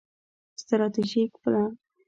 ستراتیژیک پلان